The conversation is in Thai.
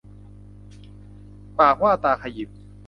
ปากว่าตาขยิบ